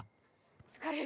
疲れる。